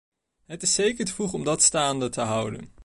Het is zeker te vroeg om dat staande te houden.